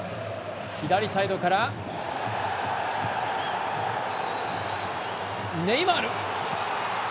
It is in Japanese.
左サイドからネイマール。